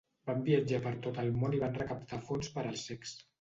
Van viatjar per tot el món i van recaptar fons per als cecs.